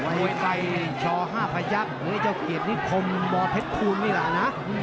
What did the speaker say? ไว้ใจช่อ๕พระยักษณ์เหลือเจ้าเกียรตินิคมบเพชรภูมินี่แหละนะ